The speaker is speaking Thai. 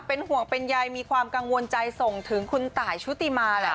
เป็นห่วงเป็นใยมีความกังวลใจส่งถึงคุณตายชุติมาแหละ